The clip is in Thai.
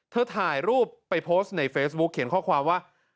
ถ่ายรูปไปโพสต์ในเฟซบุ๊กเขียนข้อความว่า